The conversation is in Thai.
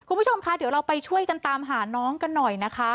คุณผู้ชมคะเดี๋ยวเราไปช่วยกันตามหาน้องกันหน่อยนะคะ